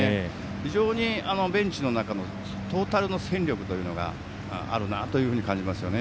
非常にベンチの中のトータルの戦力というのがあるなというふうに感じます。